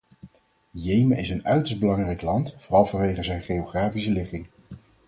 Jemen is een uiterst belangrijk land, vooral vanwege zijn geografische ligging.